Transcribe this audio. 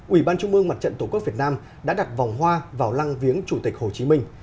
ủy ban trung mương mặt trận tổ quốc việt nam đã đặt vòng hoa vào lăng viếng chủ tịch hồ chí minh